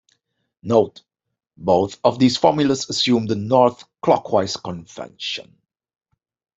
Note: Both of these formulas assume the north-clockwise convention.